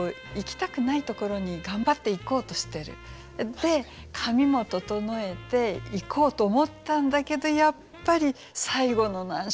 で髪も整えて行こうと思ったんだけどやっぱり最後の難所で靴が合わない。